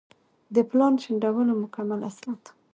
د پلان شنډولو مکمل اسناد